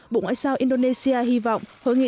bộ ngoại giao indonesia hy vọng hội nghị